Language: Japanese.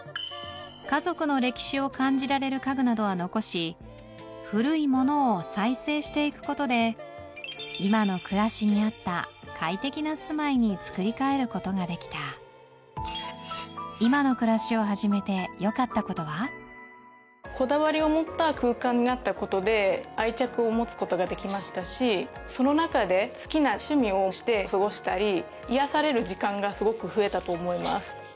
家族の歴史を感じられる家具などは残し古いものを再生して行くことで今の暮らしに合った快適な住まいに造り替えることができたこだわりを持った空間になったことで愛着を持つことができましたしその中で好きな趣味をして過ごしたり癒やされる時間がすごく増えたと思います。